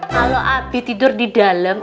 kalau abi tidur di dalam